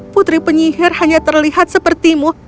putri penyihir hanya terlihat sepertimu